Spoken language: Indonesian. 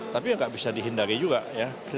tapi tidak bisa dihindari juga ya